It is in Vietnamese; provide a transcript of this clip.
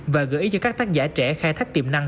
và gợi ý cho các tác giả trẻ khai thác tiềm năng